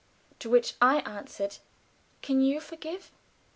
to which I answered, "Can you forgive?"